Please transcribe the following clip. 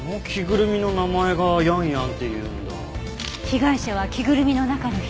被害者は着ぐるみの中の人。